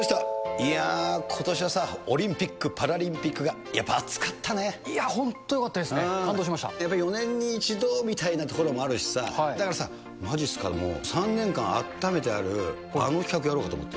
いやー、ことしはさ、オリンピック・パラリンピックが、本当よかったですね、感動しだけど４年に１度みたいなところもあるしさ、だからさ、まじっすかも３年間あっためてあるあの企画だろうかと思って。